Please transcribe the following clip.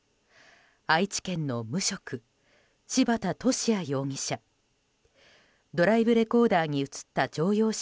愛知県の無職、柴田敏也容疑者。